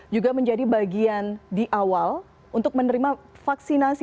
juga menjadi bagian di awal untuk menerima vaksinasi